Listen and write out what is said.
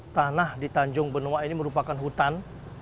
tanah di tanjung benoa ini merupakan hutan